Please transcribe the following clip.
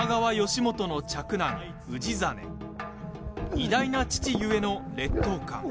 偉大な父ゆえの劣等感。